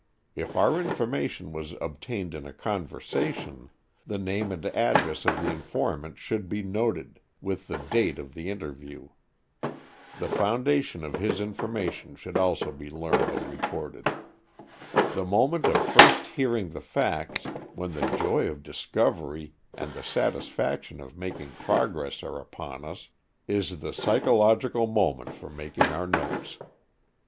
If our information was obtained in a conversation, the name and address of the informant should be noted, with the date of the interview. The foundation of his information should also be learned and recorded. The moment of first hearing the facts, when the joy of discovery and the satisfaction of making progress are upon us, is the psychological moment for making our notes.